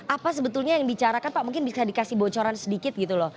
apa sebetulnya yang bicarakan pak mungkin bisa dikasih bocoran sedikit gitu loh